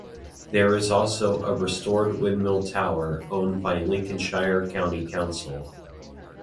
There is also a restored windmill tower, owned by Lincolnshire County Council.